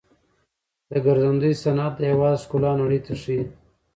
د ګرځندوی صنعت د هیواد ښکلا نړۍ ته ښيي.